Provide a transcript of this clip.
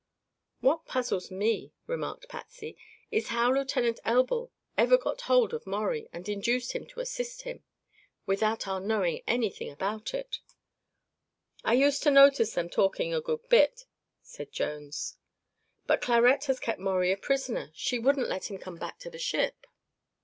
"What puzzles me," remarked Patsy, "is how Lieutenant Elbl ever got hold of Maurie, and induced him to assist him, without our knowing anything about it." "I used to notice them talking together a good bit," said Jones. "But Clarette has kept Maurie a prisoner. She wouldn't let him come back to the ship."